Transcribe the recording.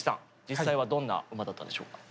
実際はどんな馬だったでしょうか？